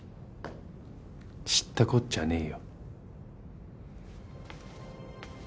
知ったこっちゃねえよ。